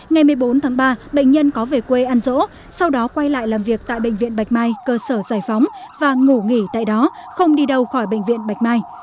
ngày một mươi bốn tháng ba bệnh nhân có về quê ăn rỗ sau đó quay lại làm việc tại bệnh viện bạch mai cơ sở giải phóng và ngủ nghỉ tại đó không đi đâu khỏi bệnh viện bạch mai